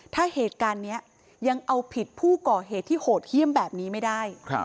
ถ้าเหตุการณ์นี้ยังเอาผิดผู้ก่อเหตุที่โหดเยี่ยมแบบนี้ไม่ได้